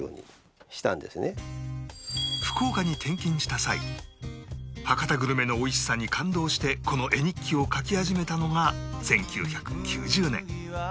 福岡に転勤した際博多グルメの美味しさに感動してこの絵日記を描き始めたのが１９９０年